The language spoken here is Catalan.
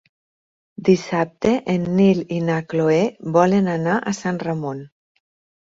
Dissabte en Nil i na Cloè volen anar a Sant Ramon.